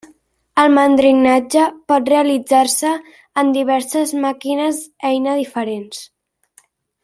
El mandrinatge pot realitzar-se en diverses màquines eina diferents.